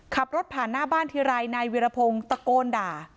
ขับรถผ่านหน้าบ้านทีไรนายวิรพงศ์ตะโกนด่า